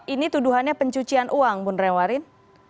ini tuduhannya pencucian uang bung renwarin